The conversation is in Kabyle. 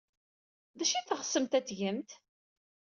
D acu ay teɣsemt ad t-tgemt?